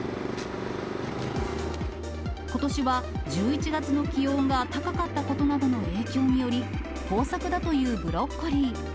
ことしは１１月の気温が高かったことなどの影響により、豊作だというブロッコリー。